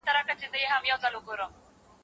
د سینې سرطان په ښځو کې عام دی.